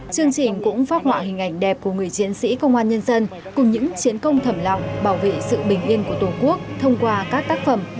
chương trình cũng phát họa hình ảnh đẹp của người chiến sĩ công an nhân dân cùng những chiến công thẩm lòng bảo vệ sự bình yên của tổ quốc thông qua các tác phẩm